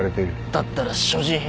だったら所持品。